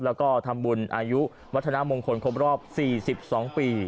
แล้วก็ทำบุญอายุวัฒนามงคลครบรอบ๔๒ปี